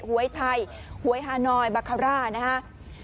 หวยไทยหวยฮานอยบาคาร่านะครับ